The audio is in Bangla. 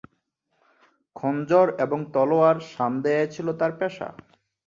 খঞ্জর এবং তলোয়ার শান দেয়াই ছিল তার পেশা।